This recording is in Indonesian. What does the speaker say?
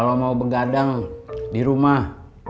kalau mau begadang di rumah